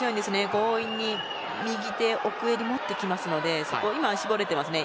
強引に右手、奥襟を持ってきますので今、絞れていますね。